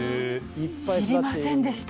知りませんでした。